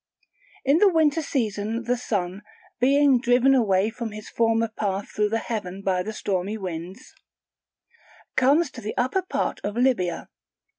In the winter season the Sun, being driven away from his former path through the heaven by the stormy winds, comes to the upper parts of Libya.